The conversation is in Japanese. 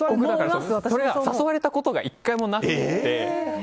それが誘われたことが１回もなくて。